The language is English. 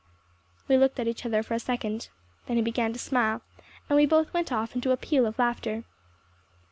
We looked at each other for a second. Then he began to smile, and we both went off into a peal of laughter.